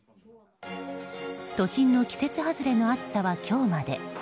都心の季節外れの暑さは今日まで。